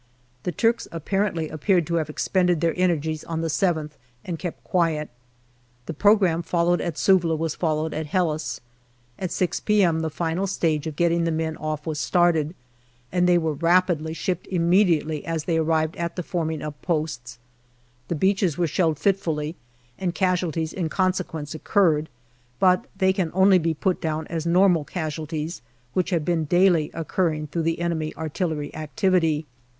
The Turks apparently appeared to have expended their energies on the 7th, and kept quiet. The programme followed at Suvla was followed at Helles. At 6 p.m. the final stage of getting the men off was started, and they were rapidly shipped immediately as they arrived at the forming up posts. The beaches were shelled fitfully, and casualties in consequence occurred, but they can only be put down as normal casualties which have been daily occurring through the enemy artillery activity.